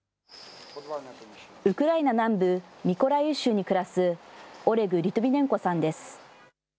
ウクライナ南部ミコライウ州に暮らすオレグ・リトビネンコさんです。